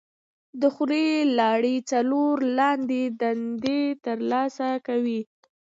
د خولې لاړې څلور لاندې دندې تر سره کوي.